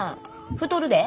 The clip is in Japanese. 太るで。